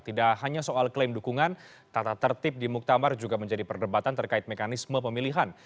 tidak hanya soal klaim dukungan tata tertib di muktamar juga menjadi perdebatan terkait mekanisme pemilihan